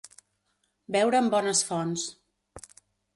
Beure en bones fonts.